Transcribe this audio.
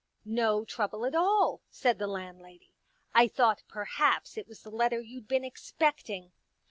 *' No trouble at all," said the landlady. " I thought perhaps it was the letter you'd been expecting."